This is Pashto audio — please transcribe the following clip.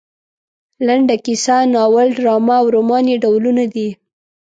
لنډه کیسه ناول ډرامه او رومان یې ډولونه دي.